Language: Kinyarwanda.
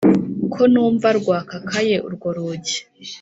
ko numva rwakakaye urwo rugi